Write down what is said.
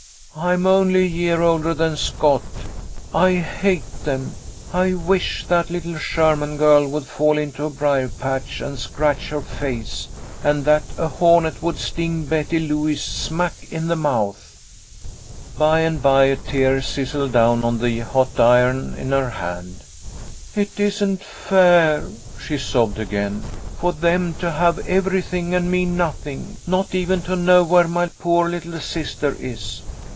I'm only a year older than Scott. I Jiate them ! I wish that little Sherman girl would fall into a brier patch and scratch her face, and that a hornet would sting Betty Lewis smack in the mouth !" By and by a tear sizzled down on the hot iron in her 48 THE LITTLE COLONEL'S HOLIDAYS. hand. "It isn't fair!" she sobbed again, "for them to have everything and me nothing, not even to know where my poor little sister is.